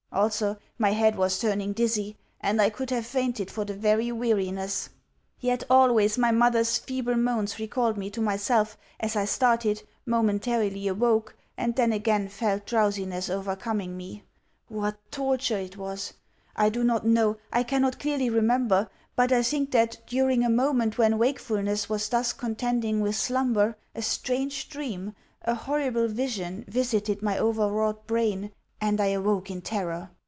Also, my head was turning dizzy, and I could have fainted for very weariness. Yet always my mother's feeble moans recalled me to myself as I started, momentarily awoke, and then again felt drowsiness overcoming me. What torture it was! I do not know, I cannot clearly remember, but I think that, during a moment when wakefulness was thus contending with slumber, a strange dream, a horrible vision, visited my overwrought brain, and I awoke in terror.